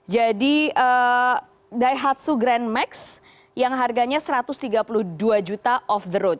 jadi daihatsu grand max yang harganya rp satu ratus tiga puluh dua juta off the road